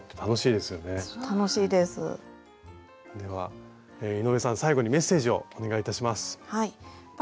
では井上さん最後にメッセージをお願いいたします。